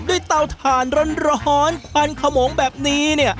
เตาถ่านร้อนควันขมงแบบนี้เนี่ย